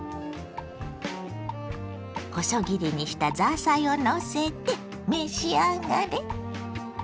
細切りにしたザーサイをのせて召し上がれ。